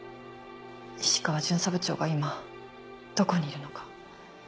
石川巡査部長が今どこにいるのか。